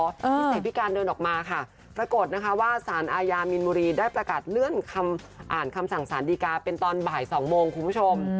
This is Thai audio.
นิสัยพี่การเดินออกมาค่ะปรากฏนะคะว่าสารอาญามีนบุรีได้ประกาศเลื่อนคำอ่านคำสั่งสารดีกาเป็นตอนบ่าย๒โมงคุณผู้ชม